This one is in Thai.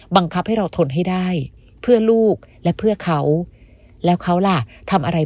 บังคับให้เราทนให้ได้เพื่อลูกและเพื่อเขาแล้วเขาล่ะทำอะไร